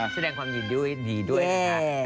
แสดงความยืดดีด้วยนะคะ